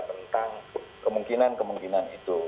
tentang kemungkinan kemungkinan itu